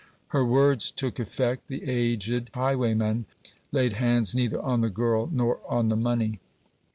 Her words took effect. The aged highwaymen laid hands neither on the girl nor on the money.